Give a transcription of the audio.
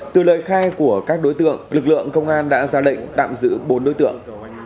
từ lời khai của các đối tượng lực lượng công an đã ra lệnh tạm giữ bốn đối tượng